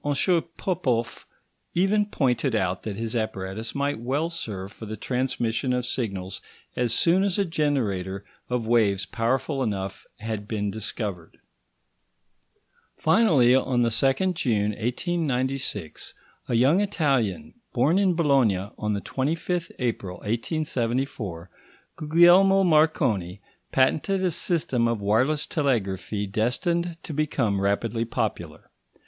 Popoff even pointed out that his apparatus might well serve for the transmission of signals as soon as a generator of waves powerful enough had been discovered. Finally, on the 2nd June 1896, a young Italian, born in Bologna on the 25th April 1874, Guglielmo Marconi, patented a system of wireless telegraphy destined to become rapidly popular.